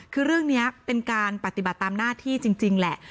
คือเรื่องนี้เป็นการปฏิบัติตามหน้าที่จริงแหละ